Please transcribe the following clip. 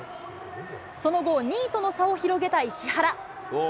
その後、２位との差を広げた石原。